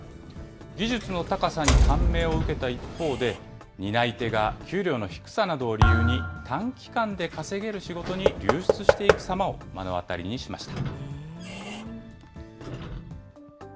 技術の高さに感銘を受けた一方で、担い手が給料の低さなどを理由に、短期間で稼げる仕事に流出していく様を目の当たりにしました。